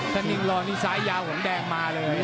ถ้านิ่งรอนี่ซ้ายยาวของแดงมาเลย